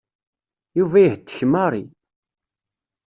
Yuba ihettek Mary.